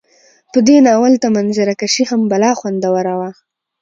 په دې ناول ته منظره کشي هم بلا خوندوره وه